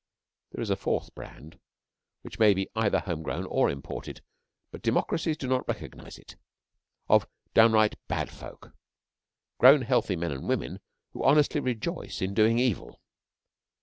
There is a fourth brand, which may be either home grown or imported, but democracies do not recognise it, of downright bad folk grown, healthy men and women who honestly rejoice in doing evil.